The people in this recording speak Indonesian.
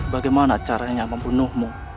bagaimana caranya membunuhmu